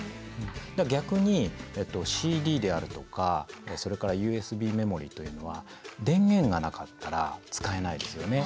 逆にＣＤであるとかそれからＵＳＢメモリというのは電源がなかったら使えないですよね。